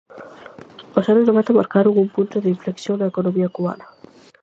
Os anos noventa marcaron un punto de inflexión na economía cubana.